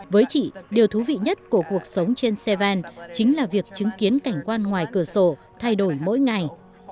với chị điều thú vị nhất của cuộc sống trên xe van chính là việc chứng kiến cảnh quan ngoài cửa sổ thay đổi mỗi ngày